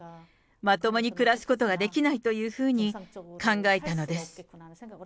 まともに暮らすことができないというふうに考えたのです。